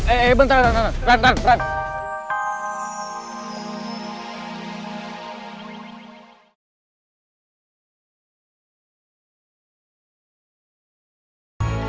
eh eh bentar ran ran ran